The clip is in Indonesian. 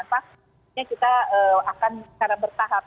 karena kita akan secara bertahap